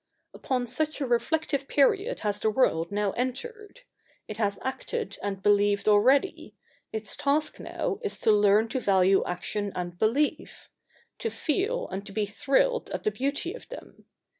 Upon such a reflective period has the world now entered. It has acted and believed already ; its task now is to learn to value action and belief — to feel and to be thrilled at the beauty of them.